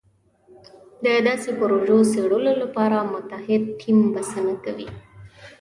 د داسې پروژو څېړلو لپاره متعهد ټیم بسنه کوي.